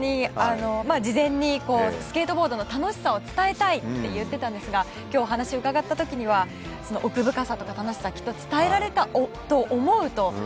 事前にスケートボードの楽しさを伝えたいって言ってたんですが今日、話を伺った時には奥深さとか楽しさをきっと伝えられたと思うと。